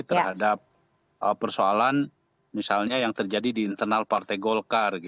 terhadap persoalan misalnya yang terjadi di internal partai golkar